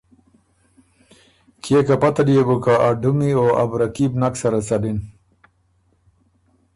کيې که پته ليې بُک که ا ډُمي او ا بره کي بو نک سَرَه څَلِن۔